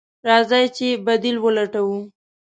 راځئ چې بديل ولټوو.